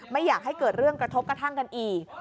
ไม่อยากให้เกิดเรื่องกระทบกระทั่งกันอีก